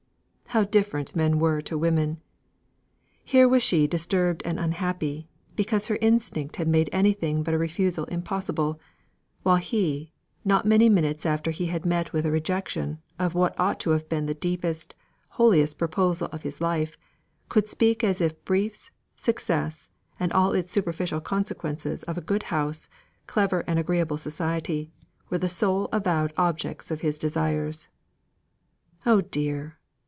How different men were to women! Here was she disturbed and unhappy, because her instinct had made anything but a refusal impossible; while he, not many minutes after he had met with a rejection of what ought to have been the deepest, holiest proposal of his life, could speak as if briefs, success, and all its superficial consequences of a good house, clever and agreeable society, were the sole avowed objects of his desires. Oh dear!